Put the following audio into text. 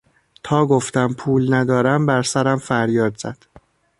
تا گفتم پول ندارم بر سرم فریاد زد.